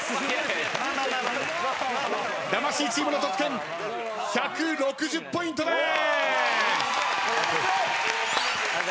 魂チームの得点１６０ポイントです！